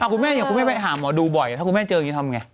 คุณแม่อย่างคุณแม่ไปหาหมอดูบ่อยถ้าคุณแม่เจออย่างนี้ทำไง